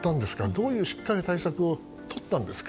どういう、しっかり対策をとったんですか。